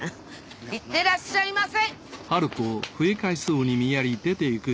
行ってらっしゃいませ！